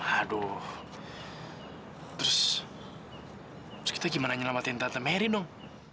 aduh terus terus kita gimana nyelamatkan tante meri dong